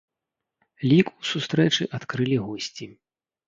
Лік у сустрэчы адкрылі госці.